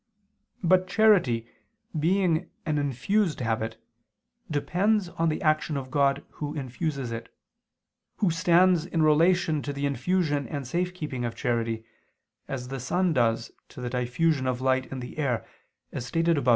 But charity, being an infused habit, depends on the action of God Who infuses it, Who stands in relation to the infusion and safekeeping of charity, as the sun does to the diffusion of light in the air, as stated above (A.